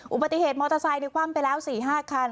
อุบัติเหตุมอเตอร์ไซค์ในคว่ำไปแล้ว๔๕คัน